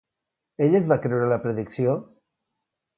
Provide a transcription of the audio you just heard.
Ell es va creure la predicció?